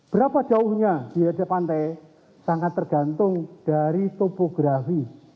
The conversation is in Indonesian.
berapa jauhnya biaya pantai sangat tergantung dari topografi